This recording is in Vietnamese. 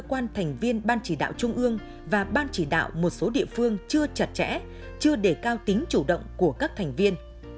cơ quan thành viên ban chỉ đạo trung ương và ban chỉ đạo một số địa phương chưa chặt chẽ chưa đề cao tính chủ động của các thành viên